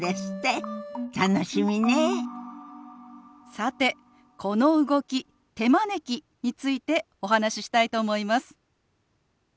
さてこの動き「手招き」についてお話ししたいと思います。